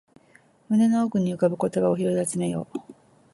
胸の奥に浮かぶ言葉を拾い集めよう